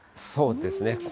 そうですね。